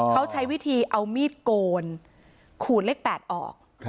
เขาใช้วิธีเอามีดโกนขูดเลข๘ออก